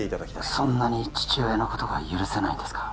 そんなに父親のことが許せないんですか？